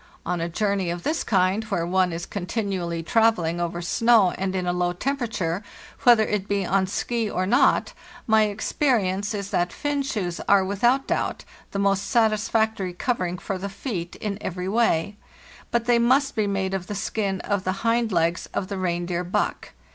On a journey of this kind, where one is continually travelling over snow and in a low temperature, whether it be on "ski" or not, my experience is that Finn shoes are, without doubt, the most satisfactory covering for the feet in every way, but they must be made of the skin of the hind legs of the reindeer buck.